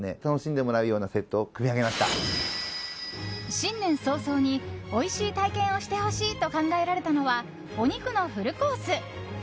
新年早々においしい体験をしてほしいと考えられたのはお肉のフルコース。